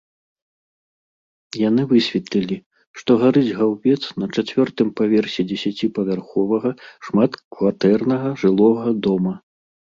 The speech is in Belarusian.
Яны высветлілі, што гарыць гаўбец на чацвёртым паверсе дзесяціпавярховага шматкватэрнага жылога дома.